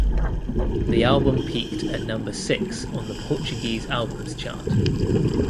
The album peaked at number six on the Portuguese Albums Chart.